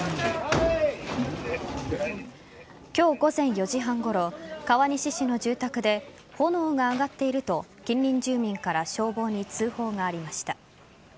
今日午前４時半ごろ川西市の住宅で炎が上がっていると近隣住民から消防に通報がありました。